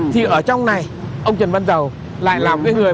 thì ở trong này ông trần văn dầu lại là một cái người